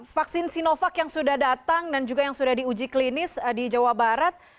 vaksin sinovac yang sudah datang dan juga yang sudah diuji klinis di jawa barat